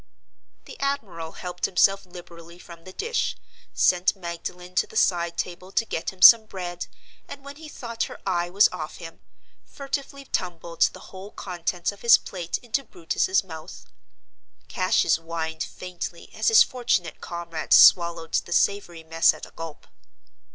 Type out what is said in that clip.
The admiral helped himself liberally from the dish; sent Magdalen to the side table to get him some bread; and, when he thought her eye was off him, furtively tumbled the whole contents of his plate into Brutus's mouth. Cassius whined faintly as his fortunate comrade swallowed the savory mess at a gulp.